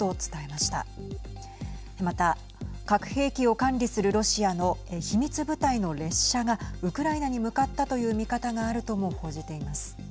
また、核兵器を管理するロシアの秘密部隊の列車がウクライナに向かったという見方があるとも報じています。